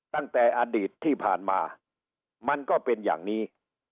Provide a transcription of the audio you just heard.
ตั้งแต่อดีตที่ผ่านมามันก็เป็นอย่างนี้